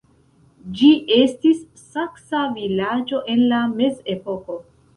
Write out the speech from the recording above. Ĝi estis saksa vilaĝo en la mezepoko.